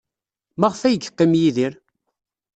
Maɣef ay yeqqim Yidir?